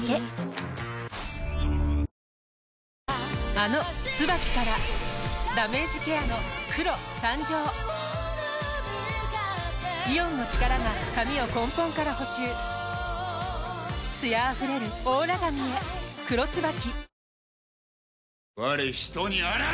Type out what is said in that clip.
あの「ＴＳＵＢＡＫＩ」からダメージケアの黒誕生イオンの力が髪を根本から補修艶あふれるオーラ髪へ「黒ＴＳＵＢＡＫＩ」